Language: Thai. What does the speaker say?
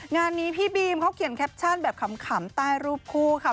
งานนี้พี่บีมเขาเขียนแคปชั่นแบบขำใต้รูปคู่ค่ะ